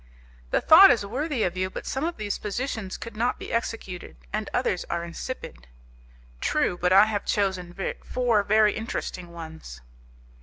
"The thought is worthy of you, but some of these positions could not be executed, and others are insipid." "True, but I have chosen four very interesting ones."